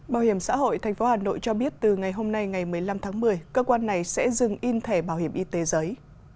bảo hiểm xã hội tp hà nội cho biết từ ngày hôm nay ngày một mươi năm tháng một mươi cơ quan này sẽ dừng in thẻ bảo hiểm y tế giấy